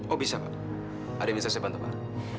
oh bisa pak ada yang bisa saya bantu pak